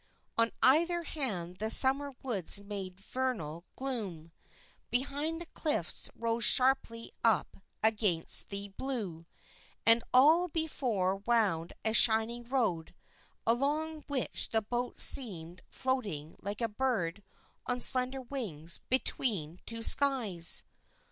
On either hand the summer woods made vernal gloom, behind the cliffs rose sharply up against the blue, and all before wound a shining road, along which the boat seemed floating like a bird on slender wings between two skies.